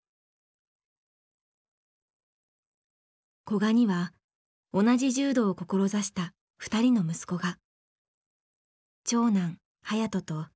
古賀には同じ柔道を志した２人の息子が。